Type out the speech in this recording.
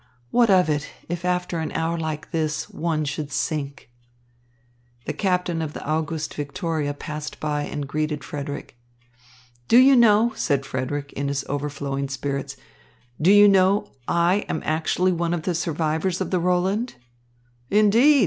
What of it, if after an hour like this, one should sink?" The captain of the Auguste Victoria passed by and greeted Frederick. "Do you know," said Frederick in his overflowing spirits, "do you know, I am actually one of the survivors of the Roland?" "Indeed!"